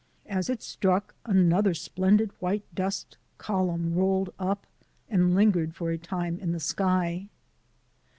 As it struck, another splendid white dust column rolled up and lingered for a time in the sky.